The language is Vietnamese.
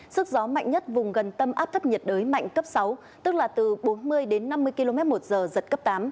sức gió mạnh nhất vùng gần tâm áp thấp nhiệt đới mạnh cấp sáu tức là từ bốn mươi đến năm mươi km một giờ giật cấp tám